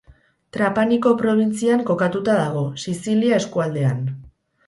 Trapaniko probintzian kokatuta dago, Sizilia eskualdean.